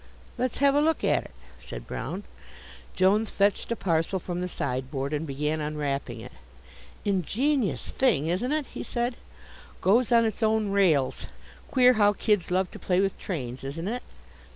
"Let's have a look at it," said Brown. Jones fetched a parcel from the sideboard and began unwrapping it. "Ingenious thing, isn't it?" he said. "Goes on its own rails. Queer how kids love to play with trains, isn't it?"